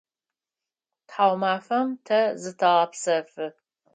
Тхьаумафэм тэ зытэгъэпсэфы.